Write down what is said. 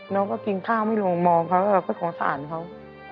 น้องก็กินข้าวไม่ลงมองเขาก็สงสารเขา